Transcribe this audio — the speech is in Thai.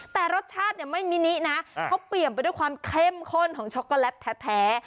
แต่รสชาติเนี่ยไม่มินินะเขาเปลี่ยนไปด้วยความเข้มข้นของช็อกโกแลตแท้